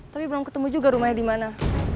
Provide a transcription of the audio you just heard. tapi belum ketemu juga rumahnya di mana